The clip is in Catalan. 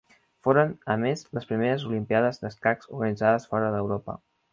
Foren a més les primeres olimpíades d'escacs organitzades fora d'Europa.